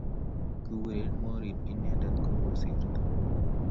Kikuren morin inendet ko kosirto